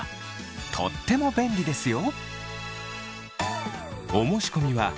とっても便利ですよ！